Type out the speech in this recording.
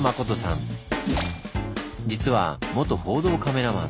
実は元報道カメラマン。